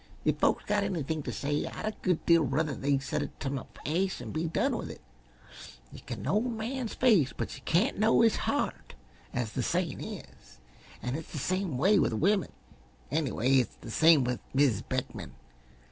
If folks got anything t' say I'd a good deal ruther they said it t' my face an' be done with it. 'Yuh can know a man's face but yuh can't know his heart,' as the sayin' is, an' it's the same way with women anyway, it's the same way with Mis' Beckman.